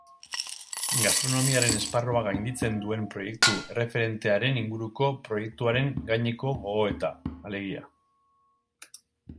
Gastronomiaren esparrua gainditzen duen proiektu erreferentearen inguruko proietuaren gaineko gogoeta, alegia.